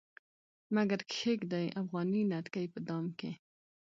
مګر کښيږدي افغاني نتکۍ په دام کې